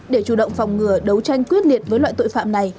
để chủ động phòng ngừa đấu tranh quyết liệt với loại tội phạm này